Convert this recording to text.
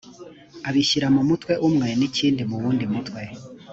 abishyira mu mutwe umwe n ikindi mu wundi mutwe